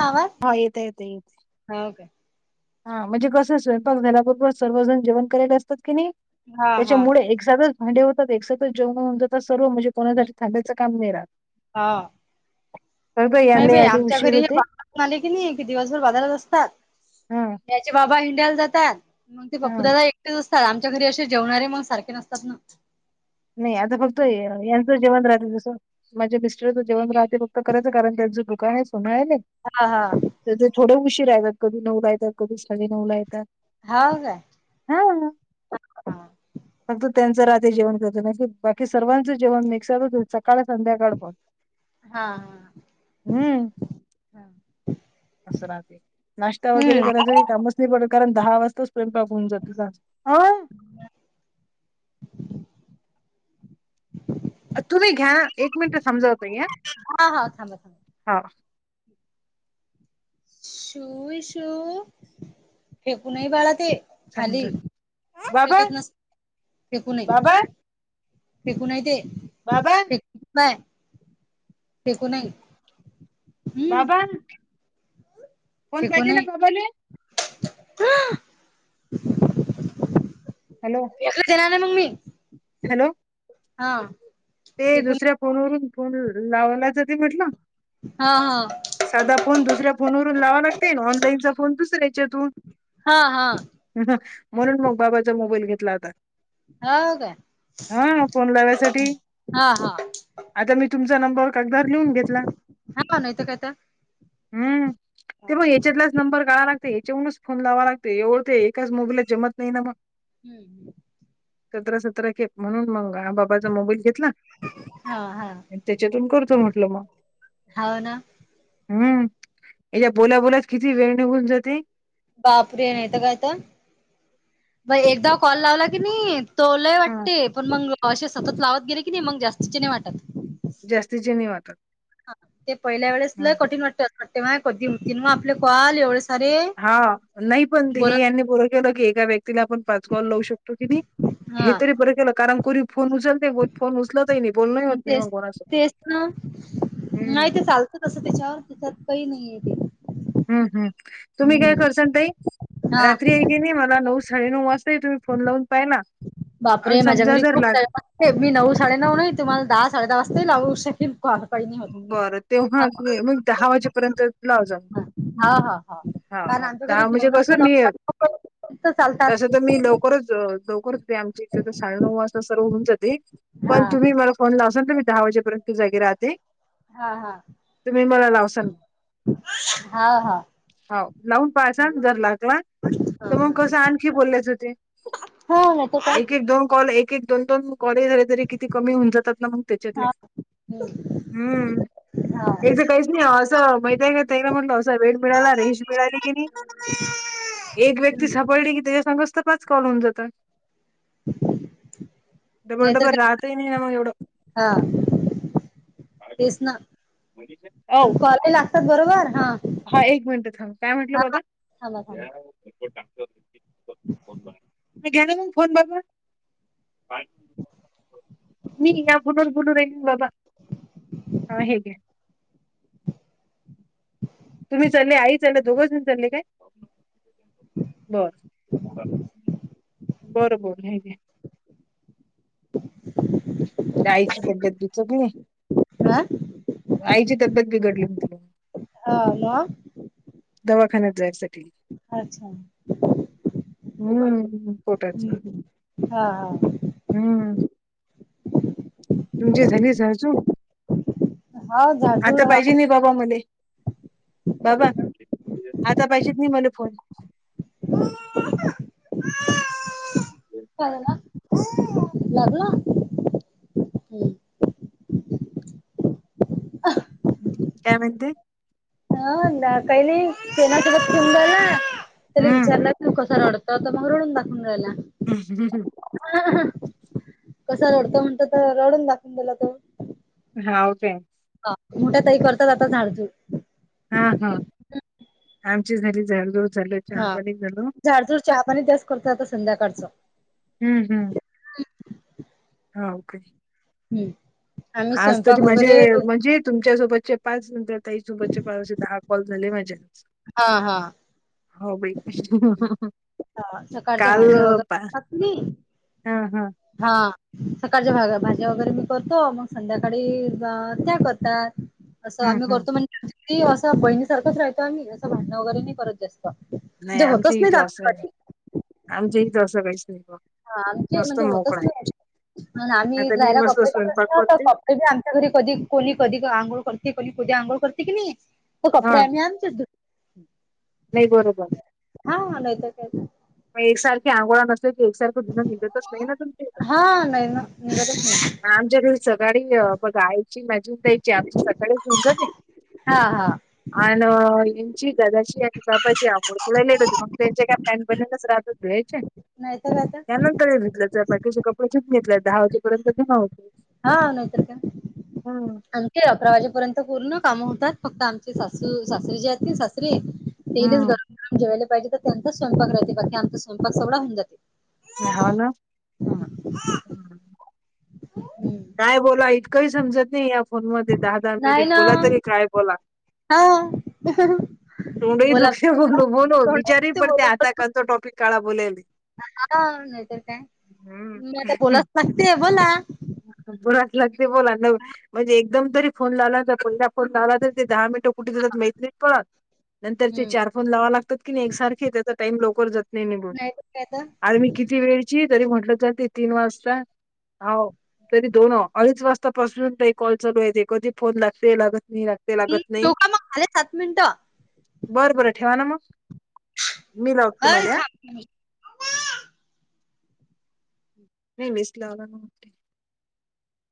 आवाज हा येतं येतं येत हो काय हा म्हणजे कसं स्वयंपाक झाल्याबरोबर सर्वजण जेवण करायचं असत्यात कणी हा हा त्याच्यामुळे एकदाचंच भांडे होतात एक साथ जेवण होऊन जात सर्व म्हणजे कोणासाठी थांबायचं काम नाही रात. हा ब का यांना याले उशीर होतय झालं कणी कि दिवसभर बाजारात असतात हा याचे बाबा हिंडायला जाता मग पप्पू हा दादा एकटेच असत. आमच्या घरी असे जेवणारे मग सारखे नसतात ना नाही आता फक्त यांचं जेवण राहत तसं माझ्या मिस्टरच जेवण राहते फक्त करायच कारण हेज दुष्काळ उन्हाळा ना हा हा तर ते थोडें उशीरा येतात कधी नऊ ला येतात कधी साडे नऊला येतात. हाव काय हा हा फक्त त्यांचं रात्री जेवण कर की बाकी सर्वांच जेवण मिक्सरवर होईल, सकाळ संध्याकाळ पण हा हम्म असं राहते, नाश्ता वगैरे हम्म करायचं कामच पण कारण दहा वाजता स्वयंपाक होऊन जात ना. [inaudible] तुम्ही घ्या एक मिनिटं समजावते ते हा हा थांबा थांबा ह शू -शू फेकू नही बाळा ते खाली समजा बाबा फेकत नस फेकू नाई. बाबा फेकू नाय ते बाबा [inaudible] नाही हम्म पण हे कोण आहे? हॅलो एकचं देणार मग मी हॅलो हा ते टिकून दुसऱ्या फोनवरून फोन लावण्यायचं ते म्हटलं हा हा साधा फोन दुसऱ्या फोनवरून लावा लागते ना ऑनलाईनचा फोन दुसऱ्याच्यातून. हा हा. म्हणून मग बाबाचा मोबाईल घेतला होता. हो का फोन लावायसाठी हा हा. आता मी तुमचा नंबर कागदार लिहून घेतला हा नाहीत काय तर हम्म. ते मग याच्यातलाच नंबर काढवा लागते याच्यावरूनच फोन लावा लागते एवढं ते एकाच मोबईलला जमत नाही ना मग. हम्म. सतरा सतरा खेप म्हणून मग ह बाबाचा मोबाईल घेतला हा हा त्याच्यातून करतो म्हटलं मग हाव ना हम्म याच्या बोलाबोलात किती वेळ निघून जाते. बापरे नाहीेतरं कायतरं म एकदा कॉल लावला किनाही तोलाय ह वाटते पण मग असे सतत लावत गेले की नाही मग जास्तीचे नाही वाटत. जास्तीचे नाही वाटतं. ह ते पहिल्या वेळेस लय कठीण वाटत, वाटतं माय कधी होईल एवढे कॉल. सारे हा नाही पण बोला हे यांनी पुरं केलं की एका व्यक्ती तिला आपण पाच कॉल लावू शकतो की नाही हे हा तरी बरं केलं कारण कोणी फोन उचल तेल फोन उचलतही नाही बोलण होत नाही तेच मग कोणाच सोबत तेच ना हम्म नाही ते चालतं तसं त्याच्यावर त्याच्यात काही नाहीय ते, हम हम् तुम्ही काय हम्म करसान ताई रात्री हा ये की नाही मला नऊ साडे नऊ वाजता तुम्ही फोन लावून पाय ना, समजा जर लाग हे मी नऊ साडेनऊ नाही तुम्हाला दहा साडे दहा वाजताही लावू शकेल. का पाड नाही. [unintelligible] बरं तेव्हा हां, हां. मग दहा वाजेपर्यंत. लाव जाऊ हां, हां, हां. हा हा म्हणजे कस मी. चालता चालता. तसं तर मी लवकरच लवकरच आमच्या इथ तर साडे नऊ वाजता सर्व होऊन जातो. पण हां. तुम्ही मला फोन लावशाल मी दहा वाजेपर्यंत जागे राहते. हा हा. तुम्ही मला लावसाल. हा हा. होव लावून पाहासाल जर लागला. हां, तर मग हां. कसं आणखी बोललेय जाते हो नाहीतर काय? एक एक दोन कॉल एक एक. दोन दोन कॉल झाले तरी किती कमी होऊन जातात ना मग त्याच्यातले हां. हं. हम्म हां. एकदा काही नाही असं माहीत आहे का तला म्हटलं असा वेळ मिळाला रेंज मिळाली की नाही. ह. [unintelligible] एक व्यक्ती सापडली की त्याच्या संगच तर पाच कॉल होन जातात. डबल नाहीतर काय डबल राहत नाही ना मग एवढं. हां. तेच ना औ कॉल लागतात बरोबर हा. हा एक मिनिट थांब काय म्हटलं बाबा. थांबा, हम. [unintelligible] घ्या ना मग फोन बगु मी या फोन वर बोलू राहिली ना बाबा. [inaudible] हा हे घ्या. कुठे चालली आई. दोघ दि झा काय [unintelligible] बर बरं बर हे. जायची पद्धत दुचकली. हां? आईची तब्येत बिघडली म्हणते बाबा हा म. दवाखान्यात जायसाठी अच्छा बरं म्हणे पोटायच हं. हां, हां. हम्म तुमचे झाली सहजू हा झाडझूड आता पाहिजे झालं नाही. बाबा मले, बाबा आता पाहिजेत ना मला फोन का ना लागलं. अ काय म्हणते? हं कांहीं नाहीं सेनासोबतं खेडूरांयला त्यांले हम्म विचारलं तुं कसां रडतो तरं आतां मंग रडूंन दाखूंन राहिलां हम्मं हम्मं हं कसां रडतो म्हणतं तरं रडून दाखवूंन राहिलां तो. हां कायं. हां मोठ्यां ताई करतांत आतां झाडं झूडं हां हं आमच्यां झालीं झाडंझूडं हां झाडंझूडं चहा पाणी त्यांस करतां आंता संध्याकाळचं. हम्मं हम्मं. हो कां हम्मं आज तुझं माझे म्हणजे तुमच्यां सोबतचे पांच नंतर ताईसोबतंचे पाचं असे दहा कॉल झाले माझे हां हां हो बाई ह सकाळच्यां काल भाज्यां अ, वगैरें पा करतांत तुम्हीं हां हां हां संकाळच्यां भा भाज्यां वगैरें मी करतों मंग संध्याकांळी त्यां करतांत असं हं, आम्हीं हं. करतों म्हण असं बहिणी सारखंच राहतो आम्हीं असं भांडणं वगैरें नाहीं करंत जास्तं तुम्हंजे होतंच नाहीं भांडणं कधी आमंच्या इथं असं काहींचं नाहीं बां आं हां आमचें म्हणजे होतंच नाहीं आम्हीं आता मी राहीलां मस्त कपडयांच्यां स्वयंपाक प्रश्न करते की आमच्यां घरी कधीं कोणी कधीं आंघोळी करतें कोणी कधी आंघोळ करते की नाहीं हो कपडे आम्हीं आमचें धूतो नाहीं बरोबर हां नईत कायं मंग एकसारखे आंघोळां नसले की एकसारखं धुनं निघतचं नाहीं नां तुमचं हा [unintelligible] आमच्यां घरी सकाळीं बघा आईची मांझी ताईंची आमंची सकाळीचं होऊंन जाते हां हां अ यांची दादाची आणि बाप्पाची आघोड थोडं लेट होते मंग त्यांच्या कायं पॅन बण्यांणचं रहाते धूवांयचे नाहीतर काय तर त्यांनंतर ही धूतल्यां जातांत त्यांचे कपडे शेवटून घेतल्यां जातांत दहा वाजेपर्यंत ते पांवो हां नाहीं तरं हम्म. कायं अकरां वाजेपर्यंत पूर्ण कामं होतातं फक्तं आमचे सासू सासरे जे आहेतं सासरे तेचं हम्म गरमं जेवायलां पाहिजे तरं त्यांच्या स्वयंपाक राहतें बाकी आमचां स्वयंपाक सगळां होऊनं जाते ये हां वंन हम्म [unintelligible] कायं बोलांवा इतकंही समजतं नाहीं फोन मंध्ये दहां दहां मिनिटं बोलां तरी कायं बोलां हां तोंड ही दुःखे बोल बोलून विचारंही तोंडात पडते आतां कांहीं तरी तो टॉपिक काढा बोलेलं हां नाहीं तरं कायं मी आतां हम्म बोलाचं लागतेय बोलां बोलाचं लागते बोलां नां म्हणजे एकदंम तरी फोन लावलां फोन लावलां तरी ते दहा मिनटं कुठे जातांत माहित नाहीं पडतं नंतर ते हम्म चार फोन लावां लागतांत की नाहीं एकसांरखे त्यांचा टाईम लवकरं जातं नाहीं निघूनं नाहीं तरं कायं तं आंण मी किती वेळची तरी म्हटलं तरं ते तीनं वाजतां होव तरी दोन अडीच वाजतापासुन ते कॉल चालु आहे ते कधी फोन लागते लागत नाही लागते. ते लागत नाही ठेवू का मग झाले सात मिनिटं बर बरं ठेवा ना मग मी लावतो तुम्हाले ह. नाही बेस लाला ना.